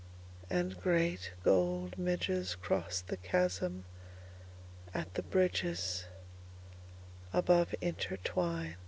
And great gold midgesCross the chasmAt the bridgesAbove intertwined plasm.